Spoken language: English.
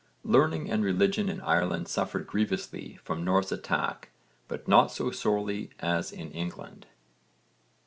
Learning and religion in Ireland suffered grievously from Norse attack but not so sorely as in England.